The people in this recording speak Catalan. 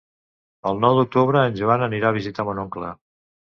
El nou d'octubre en Joan anirà a visitar mon oncle.